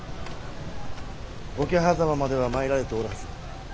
桶狭間までは参られておるはず。